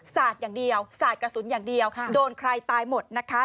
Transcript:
สาดอย่างเดียวสาดกระสุนอย่างเดียวโดนใครตายหมดนะคะ